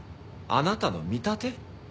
あなたの見立て？